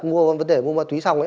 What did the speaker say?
sau khi đặt vấn đề mua ma túy xong